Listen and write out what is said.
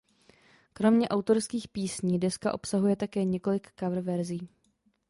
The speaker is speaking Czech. Kromě autorských písní deska obsahuje také několik coververzí.